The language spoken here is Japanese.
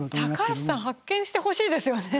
高橋さん発見してほしいですよね。